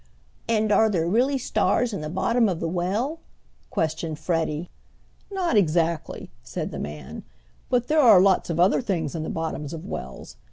"And are there really stars in the bottom of the well?" questioned Freddie. "Not exactly," said the man, "but there are lots of other things in the bottoms of wells.